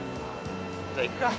じゃあ行くか。